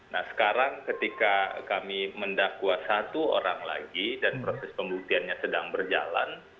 nah sekarang ketika kami mendakwa satu orang lagi dan proses pembuktiannya sedang berjalan